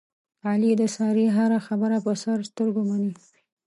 علي د سارې هره خبره په سر سترګو مني.